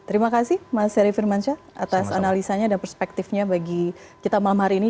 terima kasih mas heri firmansyah atas analisanya dan perspektifnya bagi kita malam hari ini